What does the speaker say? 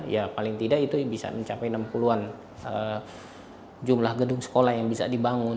ya paling tidak itu bisa mencapai enam puluh an jumlah gedung sekolah yang bisa dibangun